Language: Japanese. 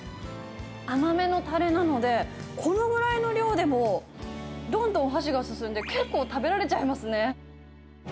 甘めのたれなので、このぐらいの量でも、どんどん箸が進んで、結構食べられちゃいますね。